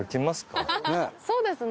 そうですね。